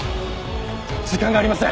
時間がありません！